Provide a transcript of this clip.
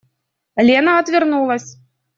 Лена отвернулась.